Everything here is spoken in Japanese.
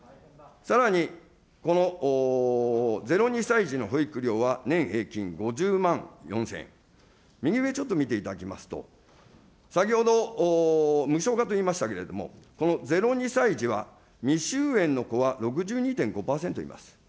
さらにこの０、２歳児の保育料は、年平均５０万４０００円、右上ちょっと見ていただきますと、先ほど無償化と言いましたけれども、この０・２歳児は、未就園の子は６２．５％あります。